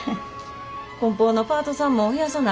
こん包のパートさんも増やさな。